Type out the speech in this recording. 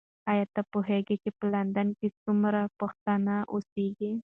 ایا ته پوهېږې چې په لندن کې څومره پښتانه اوسیږي؟